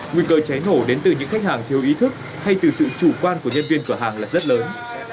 nguy cơ cháy nổ đến từ những khách hàng thiếu ý thức hay từ sự chủ quan của nhân viên cửa hàng là rất lớn